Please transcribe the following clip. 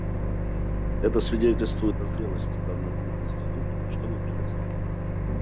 Это свидетельствует о зрелости данных двух институтов, что мы приветствуем.